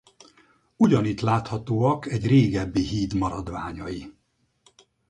Ugyanitt láthatóak egy régebbi híd maradványai.